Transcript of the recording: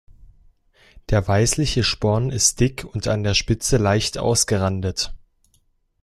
Der weißliche Sporn ist dick und an der Spitze leicht ausgerandet.